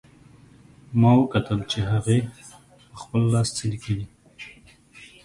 ما وکتل چې هغه په خپل لاس څه لیکي